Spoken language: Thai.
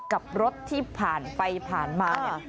กับรถที่ผ่านไปผ่านมาเนี่ย